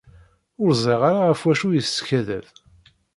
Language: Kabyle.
Ur zṛiɣ ara ɣef wacu i yeskadeb.